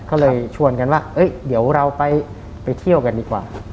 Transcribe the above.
ก็เลยชวนกันว่าเดี๋ยวเราไปเที่ยวกันดีกว่า